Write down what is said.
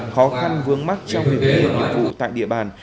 khó khăn vướng mắt trong việc thực hiện nhiệm vụ tại địa bàn